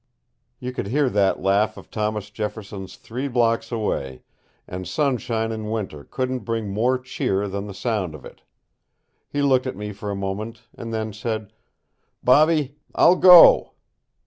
You could hear that laugh of Thomas Jefferson's three blocks away, and sunshine in winter couldn't bring more cheer than the sound of it. He looked at me for a moment, and then said: "Bobby, I'll go!"